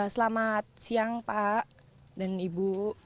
selamat siang pak dan ibu